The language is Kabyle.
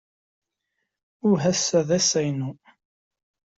Uh! Ass-a d ass-inu.